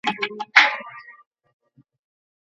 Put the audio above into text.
مهارتونه د عملي تمرین له لاري زده کیږي.